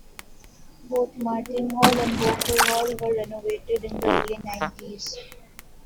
Both Martin Hall and Bowker Hall were renovated in the early nineties.